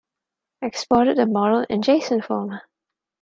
I exported the model in json format.